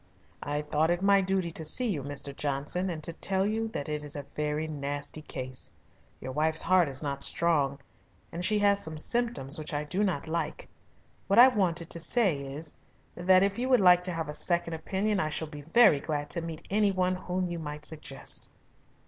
"I thought it my duty to see you, Mr. Johnson, and to tell you that it is a very nasty case. Your wife's heart is not strong, and she has some symptoms which I do not like. What I wanted to say is that if you would like to have a second opinion I shall be very glad to meet anyone whom you might suggest."